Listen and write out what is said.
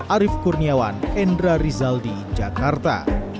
arief kurniawan endra rizal di jakarta